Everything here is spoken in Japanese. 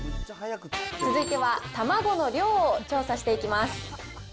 続いては、たまごの量を調査していきます。